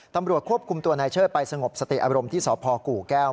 ตำรวจควบคุมตัวนายเชิดไปสงบสติอารมณ์ที่สพกู่แก้ว